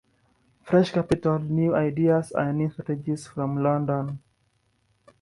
Fresh capital, new ideas, and new strategies from London.